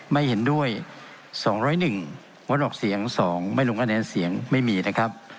ไม่เห็นด้วย๒๐๑งดออกเสียง๒ไม่ลงคะแนนเสียงไม่มีนะครับ